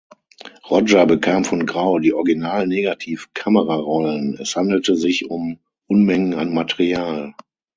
Roger bekam von Grau die Originalnegativ-Kamerarollen; es handelte sich um Unmengen an Material.